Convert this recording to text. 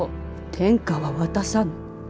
天下は渡さぬ。